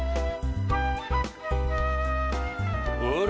あれ？